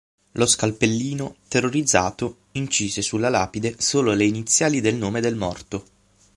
Lo scalpellino, terrorizzato, incise sulla lapide solo le iniziali del nome del morto.